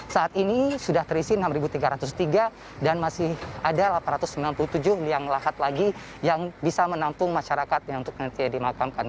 saat ini sudah terisi enam tiga ratus tiga dan masih ada delapan ratus sembilan puluh tujuh liang lahat lagi yang bisa menampung masyarakat untuk nanti dimakamkan